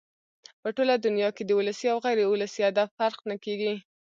په ټوله دونیا کښي د ولسي او غیر اولسي ادب فرق نه کېږي.